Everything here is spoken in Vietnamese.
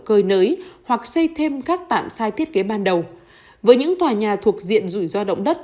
cơi nới hoặc xây thêm các tạm sai thiết kế ban đầu với những tòa nhà thuộc diện rủi ro động đất